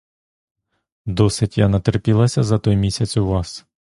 Досить я натерпілася за той місяць у вас.